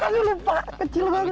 lupa kecil banget